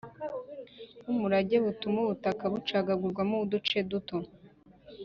Nk’umurage butuma ubutaka bucagagurwamo uduce duto